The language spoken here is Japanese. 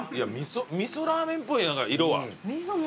味噌ラーメンっぽい色は。